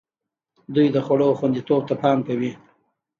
دوی د خوړو خوندیتوب ته پام کوي.